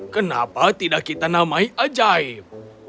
kenapa tidak kita namai ajaib